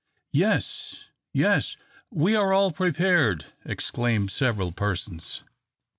"Yes, yes, we are all prepared!" exclaimed several persons.